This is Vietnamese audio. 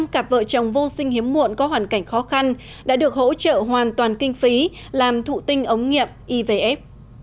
một trăm linh cặp vợ chồng vô sinh hiếm muộn có hoàn cảnh khó khăn đã được hỗ trợ hoàn toàn kinh phí làm thụ tinh ống nghiệp ivf